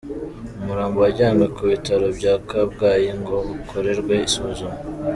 Umurambo wajyanywe ku bitaro bya Kabgayi ngo ukorerwe isuzuma.